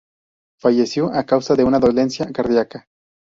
Falleció a causa de una dolencia cardíaca.